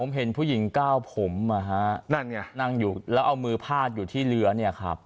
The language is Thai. ผมเห็นผู้หญิงก้าวผมนั่นไงนั่งอยู่แล้วเอามือพาดอยู่ที่เรือเนี่ยครับ